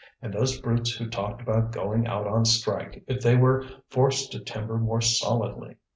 and those brutes who talked about going out on strike if they were forced to timber more solidly.